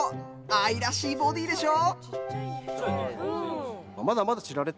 愛らしいボディでしょ。